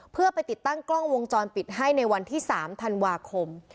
เพื่อไปติดตั้งกล้องวงจรปิดให้ในวันที่๓ธันวาคม